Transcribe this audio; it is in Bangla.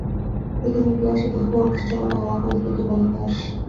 পৃথিবীর ইতিহাসে বুদ্ধ ও খ্রীষ্টের মত মহাপুরুষদের জীবনেতিহাস।